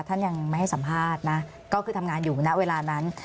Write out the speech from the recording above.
ท่านยังไม่ให้สัมภาษณ์นะก็คือทำงานอยู่ณเวลานั้น